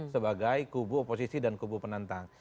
sebagai kubu oposisi dan kubu penantang